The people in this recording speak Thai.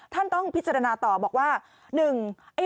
ท่านต้องพิจารณาต่อบอกว่า